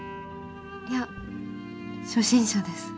いや初心者です。